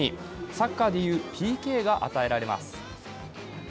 サッカーで言うＰＫが与えられます。